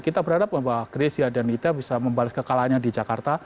kita berharap bahwa grecia dan nita bisa membalas kekalahannya di jakarta